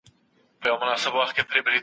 هر څوک پدې هڅه کي بريالی کېدلای سي.